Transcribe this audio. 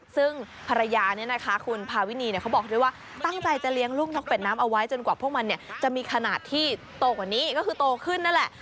ซึ่งภรรยาเนี่ยนะคะคุณพาวินีเขาบอกด้วยว่าตั้งใจจะเลี้ยงลูกนกเป็ดน้ำเอาไว้จนกว่าพวกมันจะมีขนาดที่โตกว่านี้ก็คือโตขึ้นนั่นแหละ